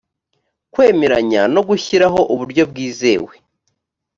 kwemeranya no gushyiraho uburyo bwizewe